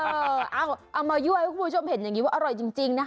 เอาซักต่อมาย่วยกว่าให้คุณผู้ชมเห็นอย่างนี้ว่าอร่อยจริงนะคะ